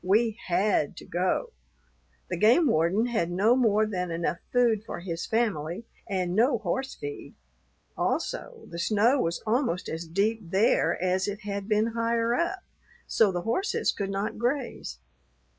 We had to go. The game warden had no more than enough food for his family, and no horse feed. Also, the snow was almost as deep there as it had been higher up, so the horses could not graze.